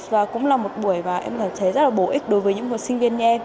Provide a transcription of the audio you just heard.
và cũng là một buổi mà em cảm thấy rất là bổ ích đối với những một sinh viên như em